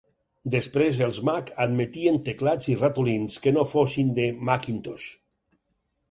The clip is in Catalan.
Després els Mac admetien teclats i ratolins que no fossin de Macintosh.